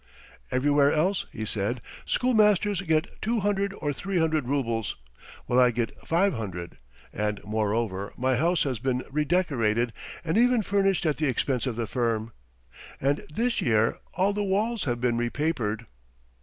"Everywhere else," he said, "schoolmasters get two hundred or three hundred roubles, while I get five hundred, and moreover my house has been redecorated and even furnished at the expense of the firm. And this year all the walls have been repapered.